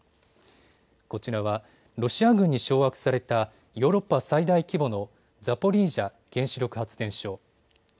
こちらはロシア軍に掌握されたヨーロッパ最大規模のザポリージャ原子力発電所。